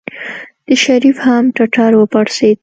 د شريف هم ټټر وپړسېد.